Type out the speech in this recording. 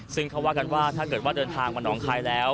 ซึ่งเขาว่ากันว่าถ้าเกิดว่าเดินทางมาหนองคายแล้ว